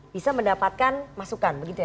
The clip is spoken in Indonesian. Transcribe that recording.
bisa mendapatkan masukan